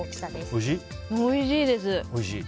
おいしいです！